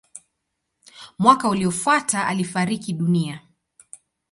Mwaka uliofuata alifariki dunia.